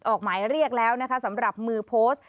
ออกหมายเรียกแล้วนะคะสำหรับมือโพสต์